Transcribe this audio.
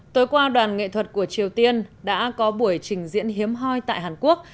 tối qua đoàn nghệ thuật của triều tiên đã có buổi trình diễn hiếm hoi tại hàn quốc